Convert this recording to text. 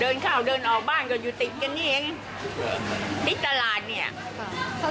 เดินเข้าเดินออกบ้านก็อยู่ติ๊กกันเองติ๊กตลาดเนี่ย